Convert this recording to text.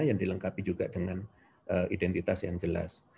yang dilengkapi juga dengan identitas yang jelas